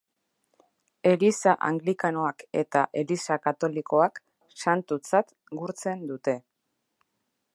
Eliza Anglikanoak eta Eliza Katolikoak santutzat gurtzen dute.